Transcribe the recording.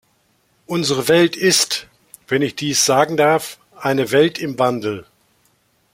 Unsere Welt ist, wenn ich dies sagen darf, eine Welt im Wandel.